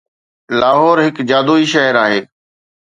لاهور هڪ جادوئي شهر آهي